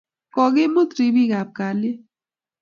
Kokimut ripik ab kalyet